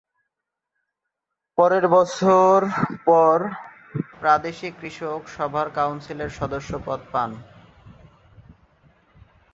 পরের বছর পর প্রাদেশিক কৃষক সভার কাউন্সিলের সদস্যপদ পান।